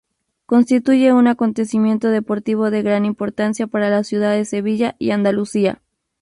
Constituye un acontecimiento deportivo de gran importancia para la ciudad de Sevilla y Andalucía.